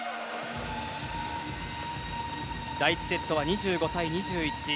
第１セットは２５対２１。